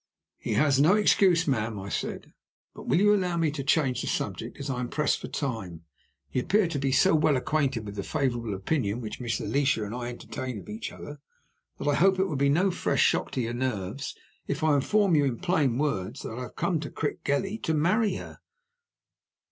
"He has no excuse, ma'am," I said. "But will you allow me to change the subject, as I am pressed for time? You appear to be so well acquainted with the favorable opinion which Miss Alicia and I entertain of each other, that I hope it will be no fresh shock to your nerves, if I inform you, in plain words, that I have come to Crickgelly to marry her."